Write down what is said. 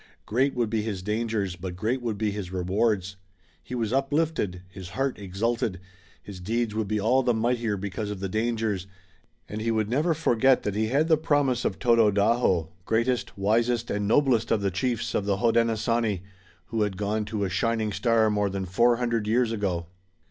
Great would be his dangers but great would be his rewards. He was uplifted. His heart exulted. His deeds would be all the mightier because of the dangers, and he would never forget that he had the promise of Tododaho, greatest, wisest and noblest of the chiefs of the Hodenosaunee, who had gone to a shining star more than four hundred years ago.